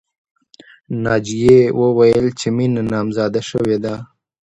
ناجیې وویل چې مینه نامزاده شوې ده